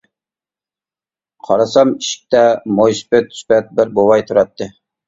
قارىسام ئىشىكتە مويسىپىت سۈپەت بىر بوۋاي تۇراتتى.